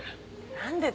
何でって。